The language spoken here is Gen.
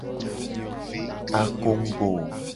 Akongugo.